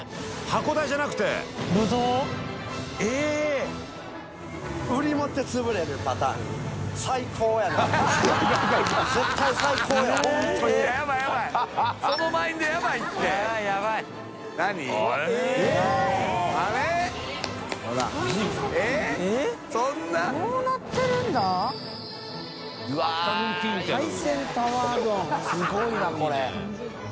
これすごいなこれ。